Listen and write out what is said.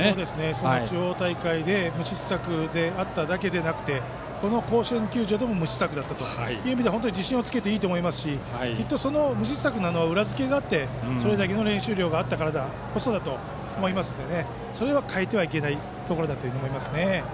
その地方大会で無失策だっただけじゃなく甲子園でも無失策だったのは本当に自信をつけていいと思いますしきっと無失策の裏づけがあったそれだけの練習量があったからだと思いますのでそれを変えてはいけないと思います。